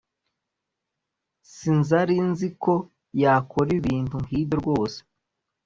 Sinzrinziko yakora ibintu nkibyo rwose